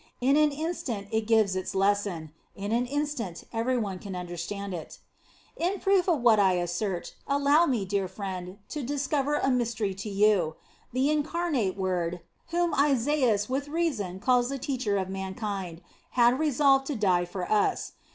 In an instant it can give its lesson; in an instant every one can under stand it. In proof of what I assert, allow me, dear friend, to discover a mystery to you. The Incarnate Word, whom Isaias with reason calls the Teacher of mankind, had resolved to die for us.